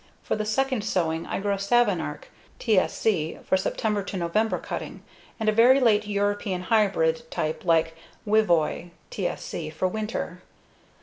For the second sowing I grow Savonarch (TSC) for September[ ]November cutting and a very late European hybrid type like Wivoy (TSC) for winter.